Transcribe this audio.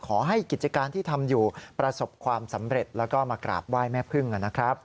ขอให้กิจการที่ทำอยู่ประสบความสำเร็จแล้วก็มากราบไหว้แม่พึ่งนะครับ